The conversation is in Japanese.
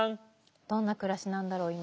どんな暮らしなんだろう今。